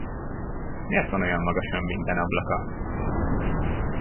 Mért van olyan magasan minden ablaka?